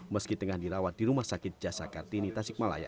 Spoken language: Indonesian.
meski tengah dirawat di rumah sakit jasa kartini tasikmalaya